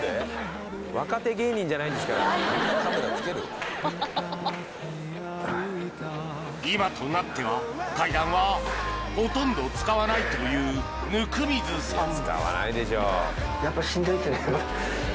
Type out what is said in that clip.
若手芸人じゃないんですから今となっては階段はほとんど使わないという温水さん